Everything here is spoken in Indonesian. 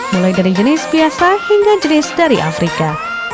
mulai dari jenis biasa hingga jenis dari afrika